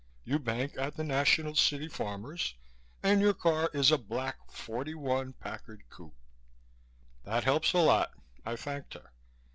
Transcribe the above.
You bank at the National City Farmers and your car is a black '41 Packard coupe." "That helps a lot," I thanked her.